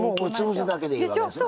潰すだけでいいわけですね。